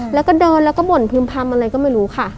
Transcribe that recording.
แล้วก็เดินแล้วก็บ่นพึ่มพำอะไรก็ไม่รู้ค่ะ